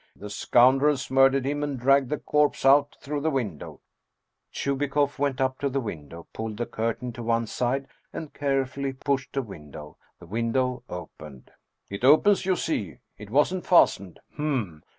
The scoun drels murdered him, and dragged the corpse out through the window " Chubikoff went up to the window, pulled the curtain to one side, and carefully pushed the window. The window opened. " It opens, you see ! It wasn't fastened. Hm